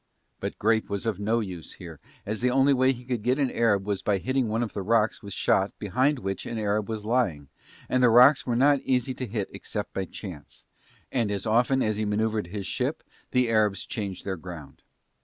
But grape was of no use here as the only way he could get an Arab was by hitting one of the rocks with shot behind which an Arab was lying, and the rocks were not easy to hit except by chance, and as often as he manoeuvred his ship the Arabs changed their ground.